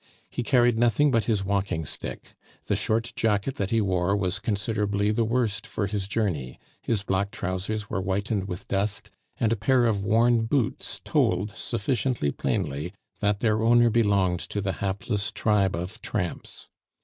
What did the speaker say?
He carried nothing but his walking stick; the short jacket that he wore was considerably the worst for his journey, his black trousers were whitened with dust, and a pair of worn boots told sufficiently plainly that their owner belonged to the hapless tribe of tramps.